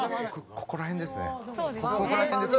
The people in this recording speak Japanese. ここら辺ですね。